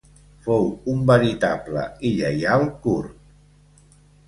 Fou un veritable i lleial kurd.